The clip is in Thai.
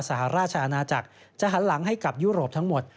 สหราชอาณาจักรจะหันหลังให้กับยุโรปทั้งหมด